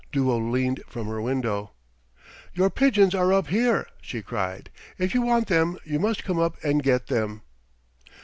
Duo leaned from her window. "Your pigeons are up here," she cried. "If you want them you must come up and get them."